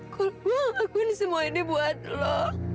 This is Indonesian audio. kalau gue ngelakuin semua ini buat lo